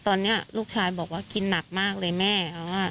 ตอนนี้ลูกชายบอกว่ากินหนักมากเลยแม่เขา